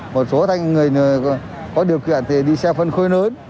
một số người có điều kiện thì đi xe phân khối lớn